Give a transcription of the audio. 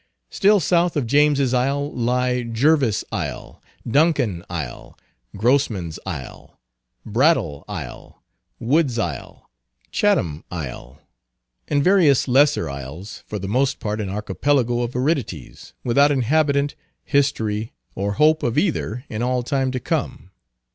Still south of James's Isle lie Jervis Isle, Duncan Isle, Grossman's Isle, Brattle Isle, Wood's Isle, Chatham Isle, and various lesser isles, for the most part an archipelago of aridities, without inhabitant, history, or hope of either in all time to come.